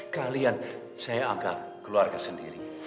kalian saya angkat keluarga sendiri